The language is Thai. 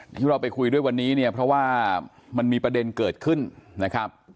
ที่เราไปคุยด้วยวันนี้เนี่ยเพราะว่ามันมีประเด็นเกิดขึ้นนะครับ